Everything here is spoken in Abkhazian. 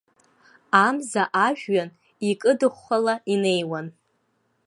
Амза ажәҩан икыдыхәхәала инеиуан.